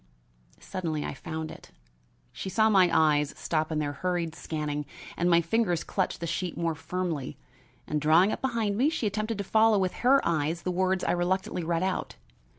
Suddenly I found it. She saw my eyes stop in their hurried scanning and my fingers clutch the sheet more firmly, and, drawing up behind me, she attempted to follow with her eyes the words I reluctantly read out.